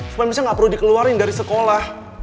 supaya michelle ga perlu dikeluarin dari sekolah